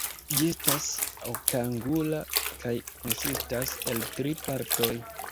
Ĝi estas okangula kaj konsistas el tri partoj.